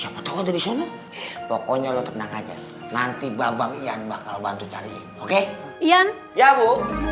pokoknya lo tenang aja nanti babang ian bakal bantu cari oke ian ya bu